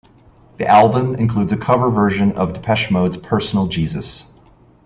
The album includes a cover version of Depeche Mode's "Personal Jesus".